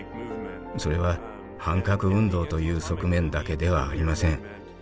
それは反核運動という側面だけではありません。